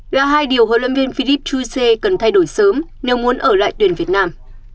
là hai điều huấn luyện viên philip chu xie cần thay đổi sớm nếu muốn ở lại tuyển việt nam